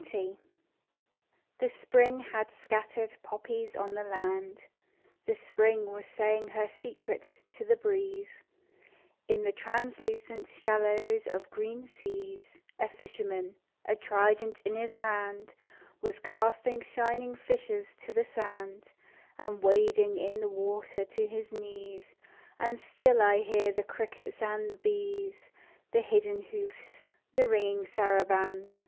GREECE The Spring had scattered poppies on the land, The Spring was saying her secret to the breeze; In the translucent shallows of green seas, A fisherman, a trident in his hand, Was casting shining fishes to the sand, And wading in the water to his knees; And still I hear the crickets and the bees, The hidden hoofs, the ringing saraband.